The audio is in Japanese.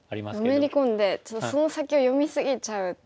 のめり込んでちょっとその先を読み過ぎちゃうっていう。